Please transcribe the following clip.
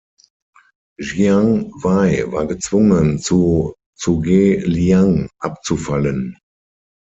Jiang Wei war gezwungen, zu Zhuge Liang abzufallen.